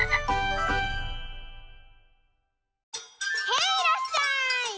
へいらっしゃい！